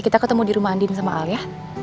kita ketemu di rumah andin sama al ya